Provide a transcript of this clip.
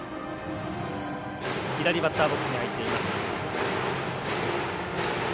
左バッターボックスに入っています。